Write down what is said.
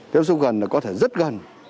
tiếp xúc gần là có thể rất gần